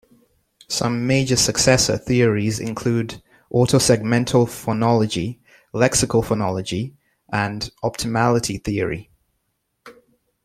Some major successor theories include autosegmental phonology, lexical phonology and optimality theory.